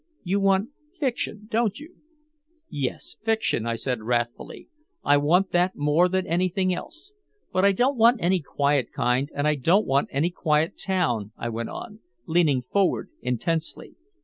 You want fiction, don't you." "Yes, fiction," I said wrathfully. "I want that more than anything else. But I don't want any quiet kind, and I don't want any quiet town," I went on, leaning forward intensely.